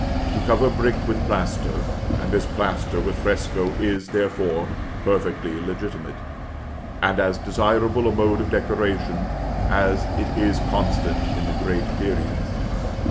To cover brick with plaster, and this plaster with fresco, is, therefore, perfectly legitimate; and as desirable a mode of decoration as it is constant in the great periods.